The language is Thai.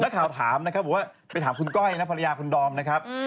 ข่าวถามนะครับบอกว่าไปถามคุณก้อยนะภรรยาคุณดอมนะครับ